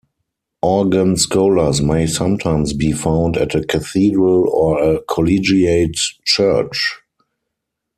Organ scholars may sometimes be found at a cathedral or a collegiate church.